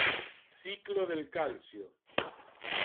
Ciclo del Calcio